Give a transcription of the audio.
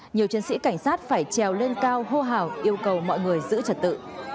nhiều chân sĩ cảnh sát phải trèo lên cao hô hào yêu cầu mọi người giữ trật tự